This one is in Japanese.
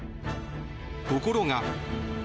ところが。